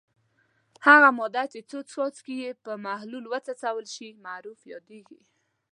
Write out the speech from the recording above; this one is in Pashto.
هغه ماده چې څو څاڅکي یې په محلول وڅڅول شي معرف یادیږي.